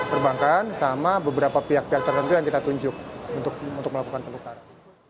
perbankan sama beberapa pihak pihak tertentu yang kita tunjuk untuk melakukan penukaran